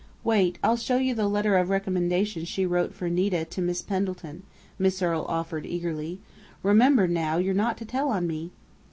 Wait, I'll show you the letter of recommendation she wrote for Nita to Miss Pendleton," Miss Earle offered eagerly. "Remember, now, you're not to tell on me!"